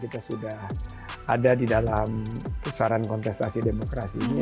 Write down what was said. kita sudah ada di dalam pusaran kontestasi demokrasi ini